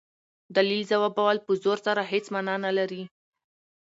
دلیل ځوابول په زور سره هيڅ مانا نه لري.